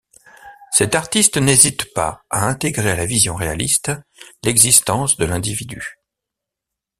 Cet artiste n'hésite pas à intégrer à la vision réaliste l'existence de l'individu.